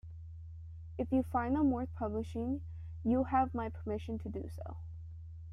If you find them worth publishing, you have my permission to do so.